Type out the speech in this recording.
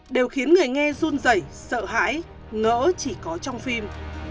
đều khiến người nghe run rẩy sợ hãi ngỡ chỉ có trong phim